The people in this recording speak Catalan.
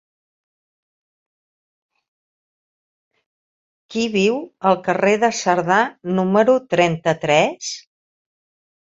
Qui viu al carrer de Cerdà número trenta-tres?